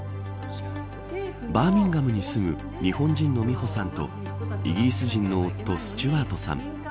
バーミンガムに住む日本人の美穂さんとイギリス人の夫スチュワートさん。